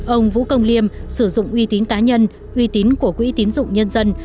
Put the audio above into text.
ông vũ công liêm sử dụng uy tín cá nhân uy tín của quỹ tín dụng nhân dân